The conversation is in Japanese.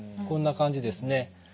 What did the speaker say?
こんな感じですね。